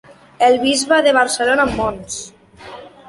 El Bisbe de Barcelona, Mons.